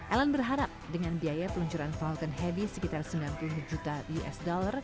ellen berharap dengan biaya peluncuran falcon heavy sekitar sembilan puluh juta usd